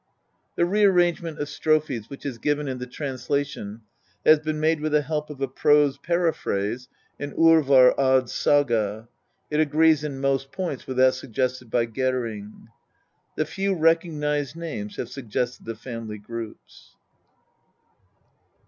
The rearrangement of strophes which is given in the translation has been made with the help of a prose paraphrase in Orvar Odds Saga. It agrees in most points with that suggested by Gering. The few recognised names have suggested the family groups.